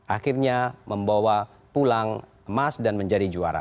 akhirnya membawa pulang emas dan menjadi juara